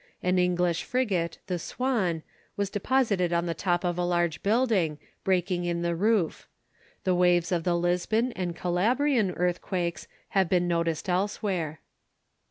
An English frigate, the Swan, was deposited on the top of a large building, breaking in the roof. The waves of the Lisbon and Calabrian earthquakes have been noticed elsewhere.